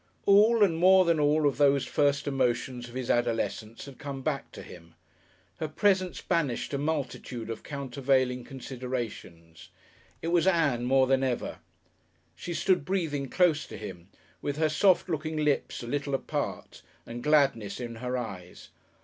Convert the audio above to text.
All and more than all of those first emotions of his adolescence had come back to him. Her presence banished a multitude of countervaling considerations. It was Ann more than ever. She stood breathing close to him, with her soft looking lips a little apart and gladness in her eyes.